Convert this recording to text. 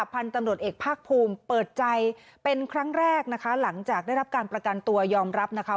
พันธุ์ตำรวจเอกภาคภูมิเปิดใจเป็นครั้งแรกนะคะหลังจากได้รับการประกันตัวยอมรับนะคะ